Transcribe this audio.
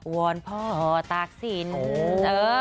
วันพอตักศิลป์